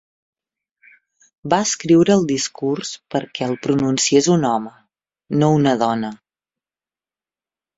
Va escriure el discurs perquè el pronunciés un home, no una dona.